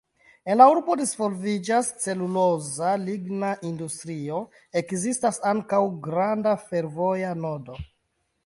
En la urbo disvolviĝas celuloza–ligna industrio, ekzistas ankaŭ granda fervoja nodo.